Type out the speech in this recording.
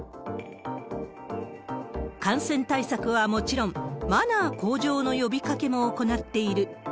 感染対策はもちろん、マナー向上の呼びかけも行っている。